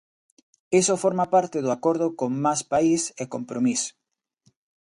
Iso forma parte do acordo con Más País e Compromís.